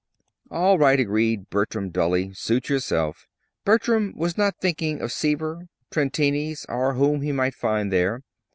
"All right," agreed Bertram, dully. "Suit yourself." Bertram was not thinking of Seaver, Trentini's, or whom he might find there.